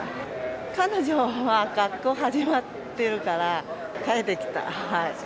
彼女は学校始まってるから帰ってきた。